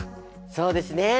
そうですね。